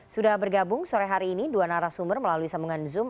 sudah bergabung sore hari ini dua narasumber melalui sambungan zoom